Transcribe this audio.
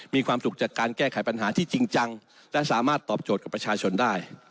มีความสุขจากการแก้ไขปัญหาที่จริงจังและสามารถตอบโจทย์กับประชาชนได้